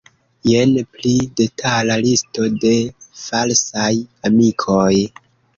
Jen pli detala listo de falsaj amikoj.